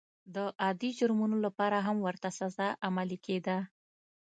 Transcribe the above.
د عادي جرمونو لپاره هم ورته سزا عملي کېده.